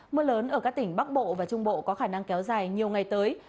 mưa lớn ở các tỉnh bắc bộ và trung bộ có khả năng kéo dài nhiều ngày tới